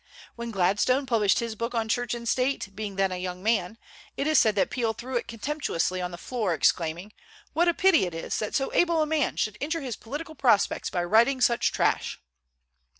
When Gladstone published his book on Church and State, being then a young man, it is said that Peel threw it contemptuously on the floor, exclaiming, "What a pity it is that so able a man should injure his political prospects by writing such trash!"